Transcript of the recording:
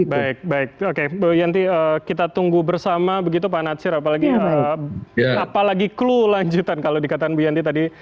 baik baik oke bu yanti kita tunggu bersama begitu pak natsir apalagi clue lanjutan kalau dikatakan bu yanti tadi